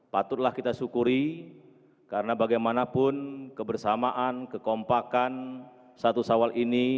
patutlah kita syukuri karena bagaimanapun kebersamaan kekompakan satu sawal ini